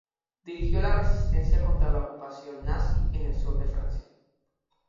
Dirigió la resistencia contra la ocupación nazi en el sur de Francia.